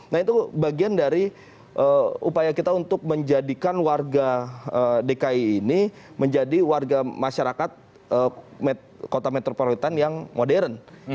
nah itu bagian dari upaya kita untuk menjadikan warga dki ini menjadi warga masyarakat kota metropolitan yang modern